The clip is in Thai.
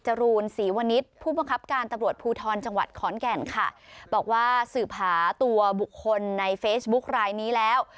จรูนศรีวณิชย์ผู้บังคับการตำรวจภูทรจังหวัดขอนแก่นค่ะบอกว่าสืบหาตัวบุคคลในเฟซบุ๊ครายนี้แล้ว